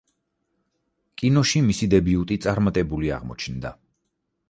კინოში მისი დებიუტი წარმატებული აღმოჩნდა.